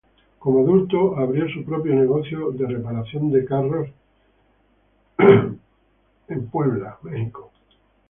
Como adulto, abrió su propio negocio de reparación de carros en Port Tobacco, Maryland.